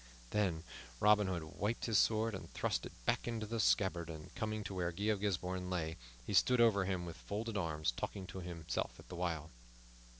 Then Robin Hood wiped his sword and thrust it back into the scabbard, and, coming to where Guy of Gisbourne lay, he stood over him with folded arms, talking to himself the while.